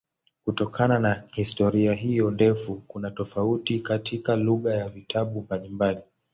Kutokana na historia hiyo ndefu kuna tofauti katika lugha ya vitabu mbalimbali.